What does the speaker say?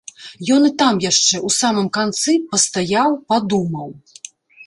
Ён і там яшчэ, у самым канцы пастаяў, падумаў.